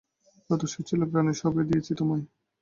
যত সুর ছিল প্রাণে সবই দিয়েছি তোমায়।